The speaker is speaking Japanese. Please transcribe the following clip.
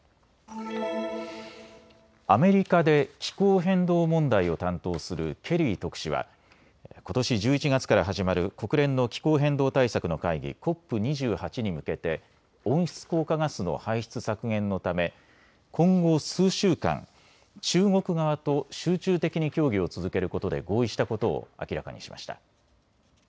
アメリカで気候変動問題を担当するケリー特使はことし１１月から始まる国連の気候変動対策の会議ＣＯＰ２８に向けて温室効果ガスの排出削減のため今後、数週間中国側と集中的に協議を続けることで合意したことを明らかにしました。